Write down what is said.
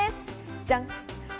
じゃん！